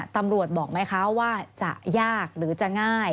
บอกไหมคะว่าจะยากหรือจะง่าย